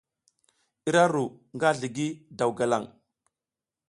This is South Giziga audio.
Ira ru nga zligi daw galaŋ.